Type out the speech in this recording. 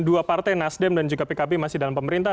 dua partai nasdem dan juga pkb masih dalam pemerintah